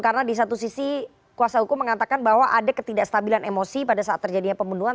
karena di satu sisi kuasa hukum mengatakan bahwa ada ketidakstabilan emosi pada saat terjadinya pembunuhan